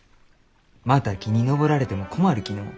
また木に登られても困るきのう。